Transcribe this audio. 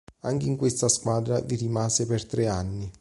Anche in questa squadra vi rimase per tre anni.